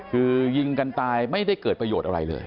คือยิงกันตายไม่ได้เกิดประโยชน์อะไรเลย